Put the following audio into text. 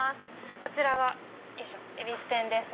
こちらが恵比寿天ですね。